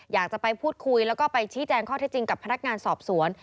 อยากจะไปพูดคุยแล้วก็ไปชี้แจงข้อเท็จจริงกับพนักงานสอบสวน